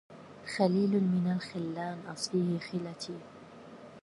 خليل من الخلان أصفيه خلتي